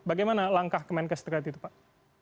bagaimana langkah kemenkes terkait itu pak